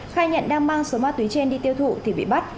khai nhận đang mang số ma túy trên đi tiêu thụ thì bị bắt